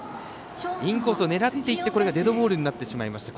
インコースを狙っていってデッドボールになってしまいました。